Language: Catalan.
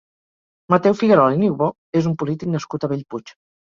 Mateu Figuerola i Niubó és un polític nascut a Bellpuig.